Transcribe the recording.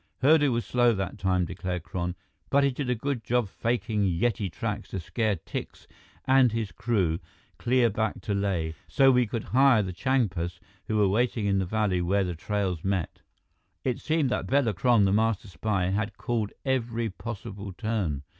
"Hurdu was slow that time," declared Kron, "but he did a good job faking Yeti tracks to scare Tikse and his crew clear back to Leh, so we could hire the Changpas, who were waiting in the valley where the trails met." It seemed that Bela Kron, the master spy, had called every possible turn.